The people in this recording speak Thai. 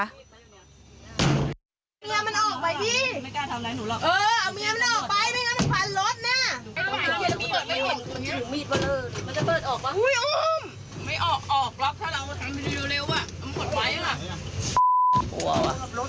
ดูเร็วว่ะมันขนไฟหรือเปล่า